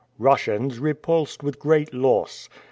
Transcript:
"Russians repulsed with great loss.